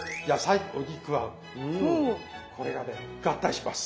これがね合体します。